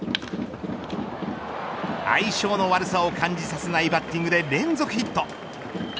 相性の悪さを感じさせないバッティングで連続ヒット。